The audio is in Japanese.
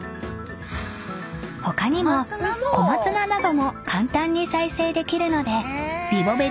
［他にも小松菜なども簡単に再生できるので］